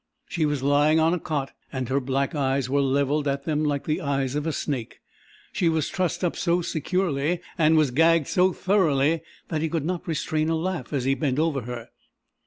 She was lying on a cot, and her black eyes were levelled at them like the eyes of a snake. She was trussed up so securely, and was gagged so thoroughly that he could not restrain a laugh as he bent over her.